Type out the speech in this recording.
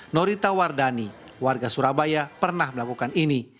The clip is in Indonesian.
norita wardani warga surabaya pernah melakukan ini